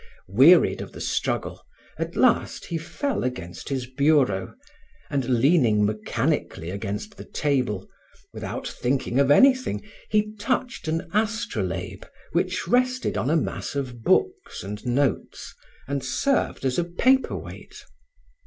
Wearied of the struggle, at last he fell against his bureau and leaning mechanically against the table, without thinking of anything, he touched an astrolabe which rested on a mass of books and notes and served as a paper weight.